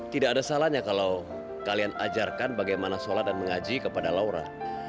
tidak ada salahnya kalau kalian ajarkan bagaimana sholat dan mengaji kepada laura